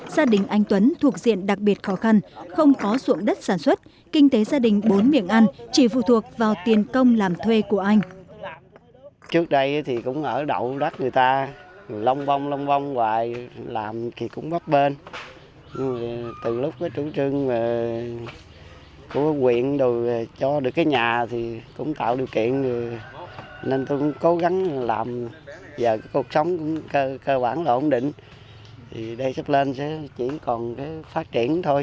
gia đình anh tuấn thuộc diện đặc biệt khó khăn không có xuộng đất sản xuất kinh tế gia đình bốn miệng ăn chỉ phụ thuộc vào tiền công làm thuê của anh